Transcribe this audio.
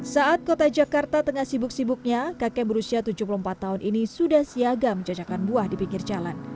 saat kota jakarta tengah sibuk sibuknya kakek berusia tujuh puluh empat tahun ini sudah siaga menjajakan buah di pinggir jalan